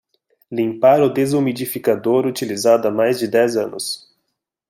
Limpar o desumidificador utilizado há mais de dez anos